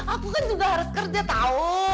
aku kan juga harus kerja tau